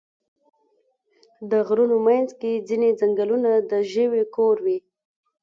د غرونو منځ کې ځینې ځنګلونه د ژویو کور وي.